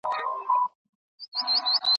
ستا آواز به زه تر عرشه رسومه